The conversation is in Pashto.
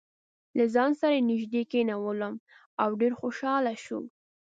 له ځان سره یې نژدې کېنولم او ډېر خوشاله شو.